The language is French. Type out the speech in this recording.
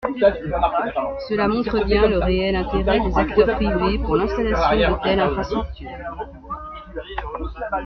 Cela montre bien le réel intérêt des acteurs privés pour l’installation de telles infrastructures.